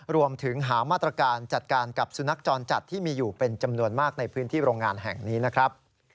รวมถึงหามาตรการจัดการกับสุนัขจรจัดที่มีอยู่เป็นจำนวนมากในพื้นที่โรงงานแห่งนี้นะครับ